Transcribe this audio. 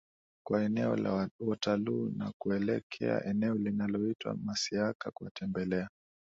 kwao eneo la Waterloo na kuelekea eneo linaloitwa Masiaka kuwatembelea